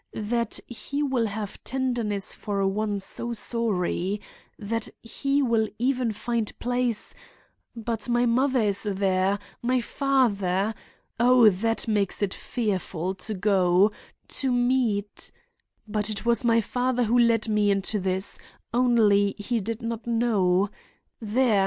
That He will have tenderness for one so sorry—that He will even find place— But my mother is there! my father! Oh, that makes it fearful to go—to meet— But it was my father who led me into this—only he did not know— There!